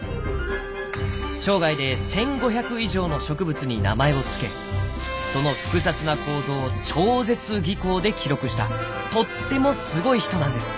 生涯で１５００以上の植物に名前を付けその複雑な構造を超絶技巧で記録したとってもすごい人なんです！